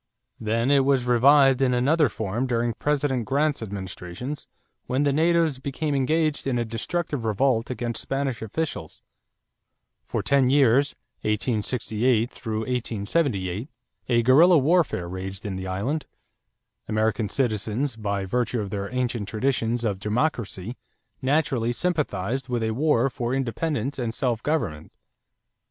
Then it was revived in another form during President Grant's administrations, when the natives became engaged in a destructive revolt against Spanish officials. For ten years 1868 78 a guerrilla warfare raged in the island. American citizens, by virtue of their ancient traditions of democracy, naturally sympathized with a war for independence and self government.